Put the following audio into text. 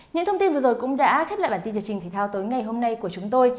những thông tin vừa rồi cũng đã khép lại bản tin nhật trình thể thao tối ngày hôm nay của chúng tôi